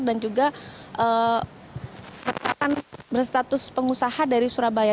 dan juga berstatus pengusahaan